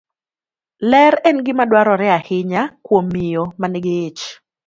Ler en gima dwarore ahinya kuom miyo ma nigi ich.